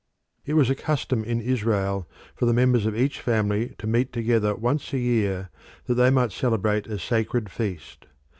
It was a custom in Israel for the members of each family to meet together once a year that they might celebrate a sacred feast.